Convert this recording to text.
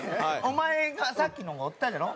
お前がさっきのがおったじゃろ？